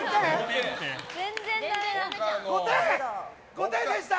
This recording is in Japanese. ５点でした！